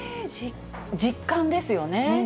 実感ですよね。